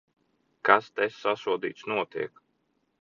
Kas te, sasodīts, notiek?